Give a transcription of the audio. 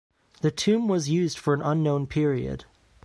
The tomb was used for an unknown period.